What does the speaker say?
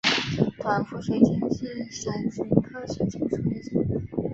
短辐水芹是伞形科水芹属的植物。